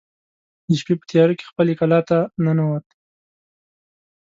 د شپې په تیاره کې خپلې کلا ته ننوت.